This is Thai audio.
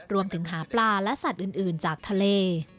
รวมถึงหาปลาและสัตว์อื่นจากทะเล